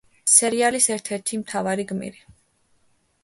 სერიალის ერთ-ერთი მთავარი გმირი.